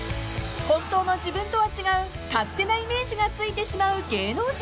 ［本当の自分とは違う勝手なイメージがついてしまう芸能人］